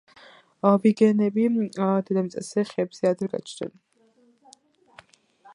ვიგენები დედამიწაზე ხეებზე ადრე გაჩნდნენ.